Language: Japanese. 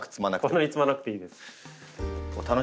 こんなに積まなくていいです。